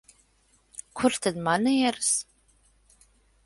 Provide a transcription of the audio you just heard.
Kur tad manieres?